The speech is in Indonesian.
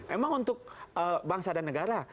emang untuk bangsa dan negara